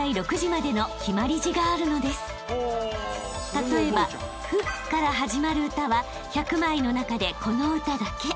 ［例えば「ふ」から始まる歌は１００枚の中でこの歌だけ］